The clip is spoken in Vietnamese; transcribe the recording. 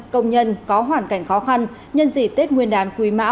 công nhân có hoàn cảnh khó khăn nhân dịp tết nguyên đán quý mão hai nghìn hai mươi ba